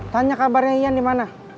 tanya kabarnya ian dimana